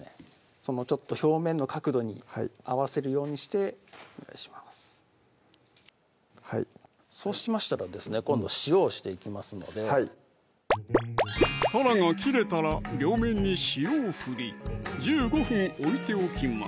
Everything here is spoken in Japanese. そのちょっと表面の角度に合わせるようにしてお願いしますそうしましたらですね今度塩をしていきますのでたらが切れたら両面に塩をふり１５分置いておきます